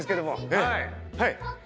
はい。